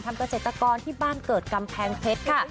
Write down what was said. เกษตรกรที่บ้านเกิดกำแพงเพชรค่ะ